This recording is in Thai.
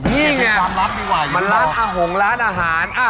นี่ไงมันร้านอาหงร้านอาหาร